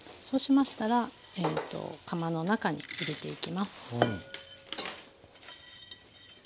そうしましたら釜の中に入れていきます。